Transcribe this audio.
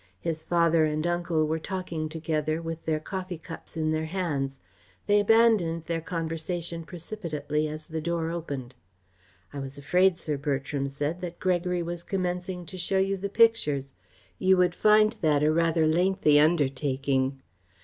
His father and uncle were talking together with their coffee cups in their hands. They abandoned their conversation precipitately as the door opened. "I was afraid," Sir Bertram said, "that Gregory was commencing to show you the pictures. You would find that rather a lengthy undertaking."